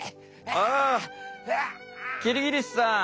ああキリギリスさん！